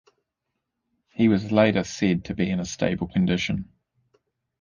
He was later said to be in a stable condition.